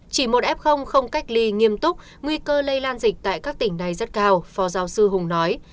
chỉ một f không cách ly nghiêm túc nguy cơ lây lan dịch tại các tỉnh này rất cao phó giáo sư hùng nói